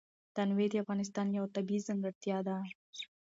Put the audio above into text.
تنوع د افغانستان یوه طبیعي ځانګړتیا ده.